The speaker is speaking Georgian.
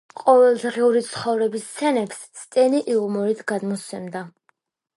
ყოველდღიური ცხოვრების სცენებს სტენი იუმორით გადმოსცემდა.